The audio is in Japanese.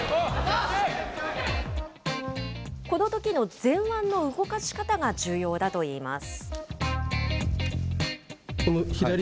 このときの前腕の動かし方が重要だといいます。